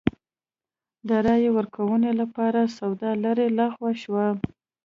د رایې ورکونې لپاره سواد لرل لغوه شول.